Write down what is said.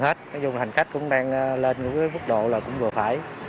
các dùng hành khách cũng đang lên với mức độ là cũng vừa phải